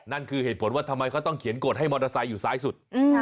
นั่นคือเหตุผลว่าทำไมเขาต้องเขียนกฎให้มอเตอร์ไซค์อยู่ซ้ายสุด